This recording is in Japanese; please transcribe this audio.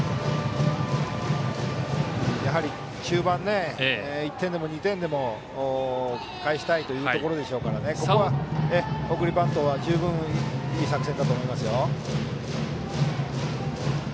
中盤、１点でも２点でも返したいところでしょうからここは送りバントは十分いい作戦だと思います。